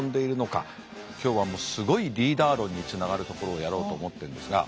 今日はすごいリーダー論につながるところをやろうと思ってるんですが。